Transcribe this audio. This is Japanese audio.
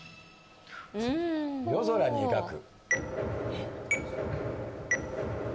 「夜空に描く」